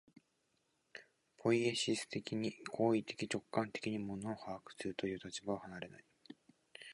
ポイエシス的に、行為的直観的に物を把握するという立場を離れない。